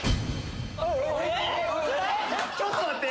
ちょっと待って！